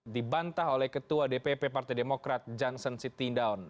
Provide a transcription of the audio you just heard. dibantah oleh ketua dpp partai demokrat johnson sitindaun